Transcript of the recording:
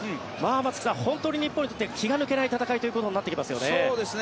松木さん、本当に日本にとって気が抜けない戦いになってきますね。